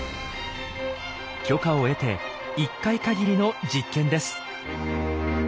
許可を得て１回限りの実験です。